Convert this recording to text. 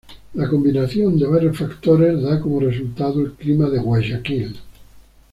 La combinación de varios factores da como resultado el clima de "Guayaquil".